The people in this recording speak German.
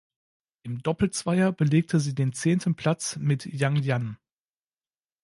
Im Doppelzweier belegte sie den zehnten Platz mit Jiang Yan.